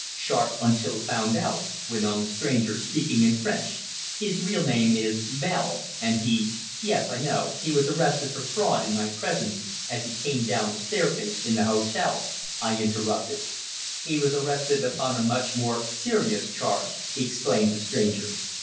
"Sharp until found out," went on the stranger, speaking in French. "His real name is Bell, and he " "Yes, I know; he was arrested for fraud in my presence as he came down the staircase in the hotel," I interrupted. "He was arrested upon a much more serious charge," exclaimed the stranger.